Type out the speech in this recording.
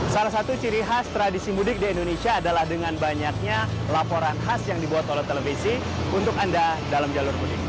salah satu ciri khas tradisi mudik di indonesia adalah dengan banyaknya laporan khas yang dibuat oleh televisi untuk anda dalam jalur mudik